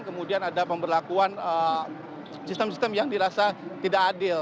kemudian ada pemberlakuan sistem sistem yang dirasa tidak adil